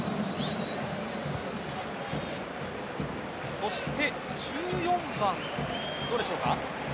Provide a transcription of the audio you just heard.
そして、１４番どうでしょうか。